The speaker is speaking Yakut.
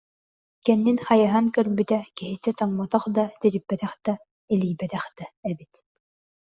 Кэннин хайыһан көрбүтэ киһитэ тоҥмотох да, тириппэтэх да, илийбэтэх да эбит